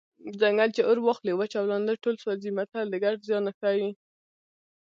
ځنګل چې اور واخلي وچ او لانده ټول سوځي متل د ګډ زیان ښيي